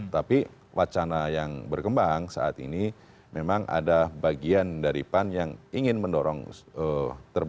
tapi wacana yang berkembang saat ini memang ada bagian dari pan yang ingin mendorong terbuka